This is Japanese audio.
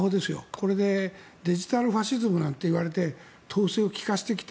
これでデジタルファシズムなんて言われて統制を利かせてきた。